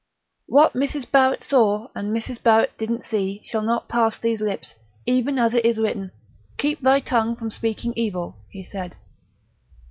"What Mrs. Barrett saw and Mrs. Barrett didn't see shall not pass these lips; even as it is written, keep thy tongue from speaking evil," he said.